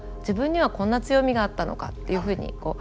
自分にはこんな強みがあったのかっていうふうに。